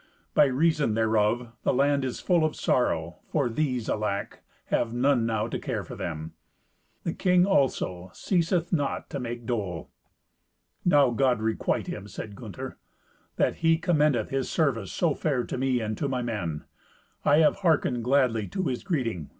By reason thereof the land is full of sorrow, for these, alack! have none now to care for them. The king also ceaseth not to make dole." "Now God requite him," said Gunther, "that he commendeth his service so fair to me and to my men. I have hearkened gladly to his greeting.